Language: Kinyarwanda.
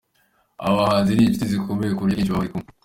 Aba bahanzi ni inshuti zikomeye ku buryo akenshi baba bari kumwe.